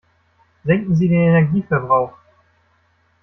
Senken Sie den Energieverbrauch!